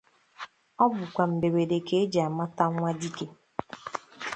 Ọ bụkwa mberede ka e ji amata nwa dike